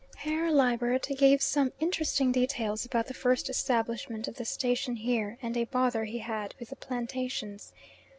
Herr Liebert gives me some interesting details about the first establishment of the station here and a bother he had with the plantations.